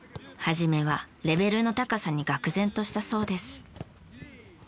初めはレベルの高さに愕然としたそうです。